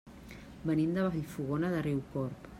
Venim de Vallfogona de Riucorb.